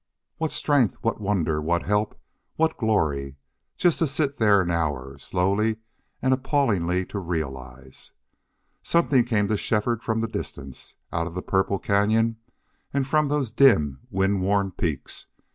What strength, what wonder, what help, what glory, just to sit there an hour, slowly and appallingly to realize! Something came to Shefford from the distance, out of the purple cañon and from those dim, wind worn peaks.